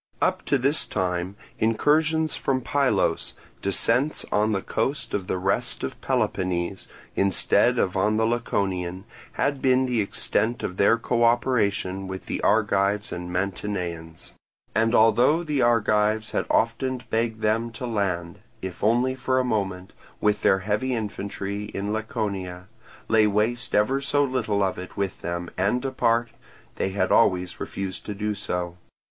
Up to this time incursions from Pylos, descents on the coast of the rest of Peloponnese, instead of on the Laconian, had been the extent of their co operation with the Argives and Mantineans; and although the Argives had often begged them to land, if only for a moment, with their heavy infantry in Laconia, lay waste ever so little of it with them, and depart, they had always refused to do so.